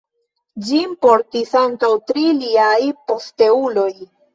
Ĝin portis ankaŭ tri liaj posteuloj.